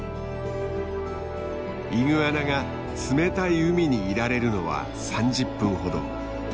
イグアナが冷たい海にいられるのは３０分ほど。